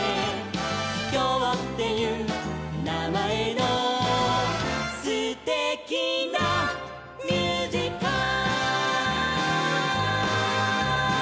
「きょうっていうなまえのすてきなミュージカル」